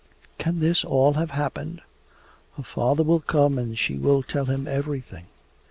'Can this all have happened? Her father will come and she will tell him everything.